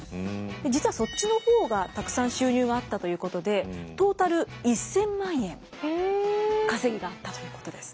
実はそっちの方がたくさん収入があったということでトータル１，０００万円稼ぎがあったということです。